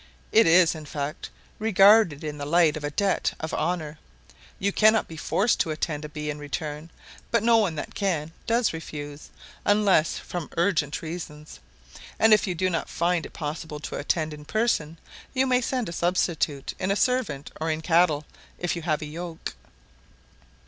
It is, in fact, regarded in the light of a debt of honour; you cannot be forced to attend a bee in return, but no one that can does refuse, unless from urgent reasons; and if you do not find it possible to attend in person you may send a substitute in a servant or in cattle, if you have a yoke.